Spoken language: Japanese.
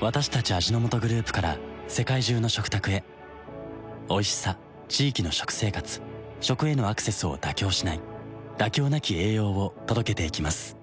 私たち味の素グループから世界中の食卓へおいしさ地域の食生活食へのアクセスを妥協しない「妥協なき栄養」を届けていきます